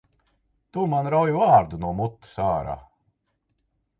Tu man rauj vārdu no mutes ārā!